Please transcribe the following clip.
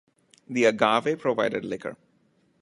The agave provided liquor.